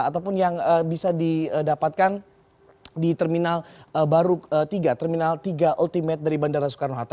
ataupun yang bisa didapatkan di terminal baru tiga terminal tiga ultimate dari bandara soekarno hatta